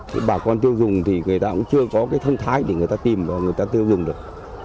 thế bà con tiêu dùng thì người ta cũng chưa có cái thân thái để người ta tìm và người ta tiêu dùng được